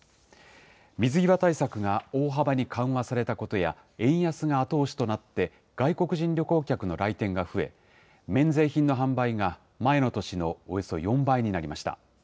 水際対策が大幅に緩和されたことや、円安が後押しとなって、外国人旅行客の来店が増え、免税品の販売が前の年のおよそ４倍になりました。